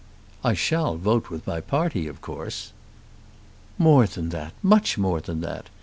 "I shall vote with my party of course." "More than that; much more than that.